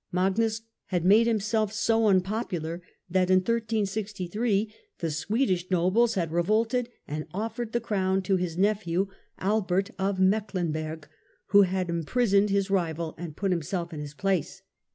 ^^^ ^j°^' Magnus had made himself so unpopular that in 13631412, the Swedish nobles had revolted and oifered the Crown to his nephew Albert of Mecklenberg, who had im prisoned his rival and put himself in his place.